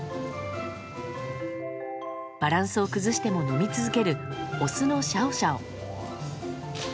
バランスを崩しても飲み続けるオスのシャオシャオ。